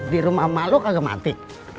di rumah emak lo kagak mati